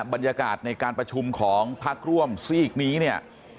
บรรยากาศในการประชุมของพักร่วมซีกนี้เนี่ย